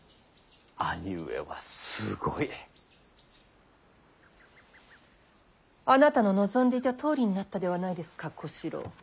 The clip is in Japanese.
兄上はすごい！あなたの望んでいたとおりになったではないですか小四郎。